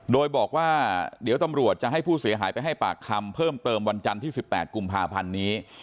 โดยบอกว่าเดี๋ยวตำรวจจะให้ผู้เสียหายไปให้ปากคำเพิ่มเติมวันจันทร์ที่๑๘กุมภาพันธ์นี้